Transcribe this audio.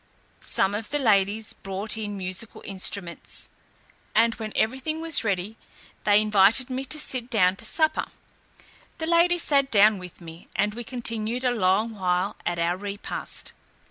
Some of the ladies brought in musical instruments, and when everything was ready, they invited me to sit down to supper. The ladies sat down with me, and we continued a long while at our repast.